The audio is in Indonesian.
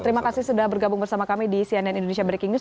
terima kasih sudah bergabung bersama kami di cnn indonesia breaking news